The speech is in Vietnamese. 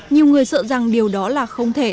nhiều người sợ rằng điều đó là không thể